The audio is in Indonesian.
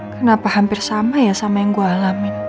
kenapa hampir sama ya sama yang gue alamin